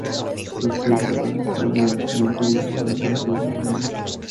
Los perpetradores son mayoritariamente hombres jóvenes de baja condición social.